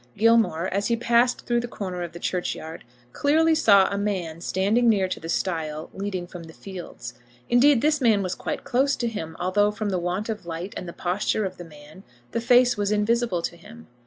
Gilmore, as he passed through the corner of the churchyard, clearly saw a man standing near to the stile leading from the fields. Indeed, this man was quite close to him, although, from the want of light and the posture of the man, the face was invisible to him.